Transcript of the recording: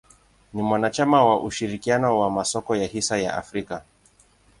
Ni mwanachama wa ushirikiano wa masoko ya hisa ya Afrika.